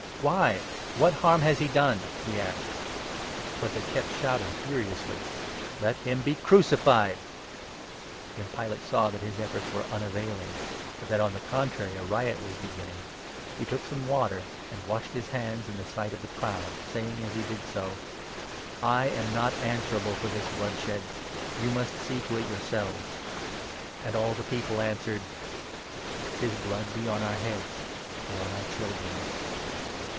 " Why, what harm has he done ?" he asked. But they kept shouting furiously: "Let him be crucified !" When Pilate saw that his efforts were unavailing, but that, on the contrary, a riot was beginning, he took some water, and washed his hands in the sight of the crowd, saying as he did so :" I am not answerable for this bloodshed ; you must see to it yourselves." And all the people answered :" His blood be on our heads and on our children's